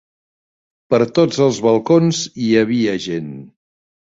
Per tots els balcons hi havia gent